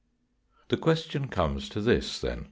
The question comes to this, then.